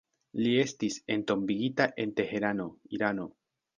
Li estis entombigita en Teherano, Irano.